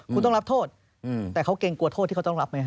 คุณต้องรับโทษแต่เขาเกรงกลัวโทษที่เขาต้องรับไหมฮ